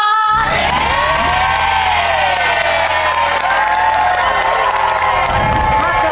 ครอบครับ